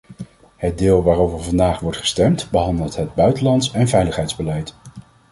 Het deel waarover vandaag wordt gestemd behandelt het buitenlands en veiligheidsbeleid.